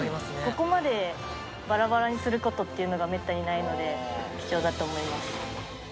ここまでばらばらにすることっていうのがめったにないので、貴重だと思います。